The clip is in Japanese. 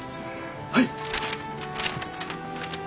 はい！